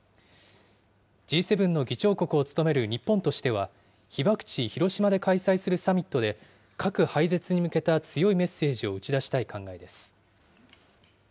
Ｇ７の議長国を務める日本としては、被爆地、広島で開催するサミットで、核廃絶に向けた強いメッセージを打ち出したい考えです。